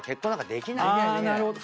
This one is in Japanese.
なるほど。